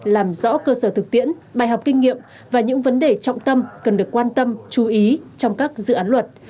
làm rõ cơ sở thực tiễn bài học kinh nghiệm và những vấn đề trọng tâm cần được quan tâm chú ý trong các dự án luật